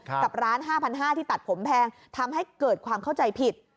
กับร้าน๕๕๐๐บาทที่ตัดผมแพงทำให้เกิดความเข้าใจผิด